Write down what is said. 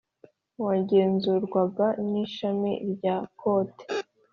wagenzurwaga n ishami rya Kote